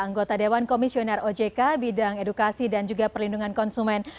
anggota dewan komisioner ojk bidang edukasi dan juga perlindungan konsumen